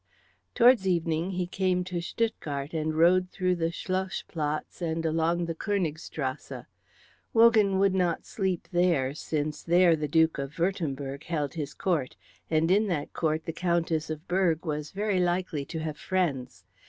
Towards evening he came to Stuttgart and rode through the Schloss Platz and along the Königstrasse. Wogan would not sleep there, since there the Duke of Würtemberg held his court, and in that court the Countess of Berg was very likely to have friends.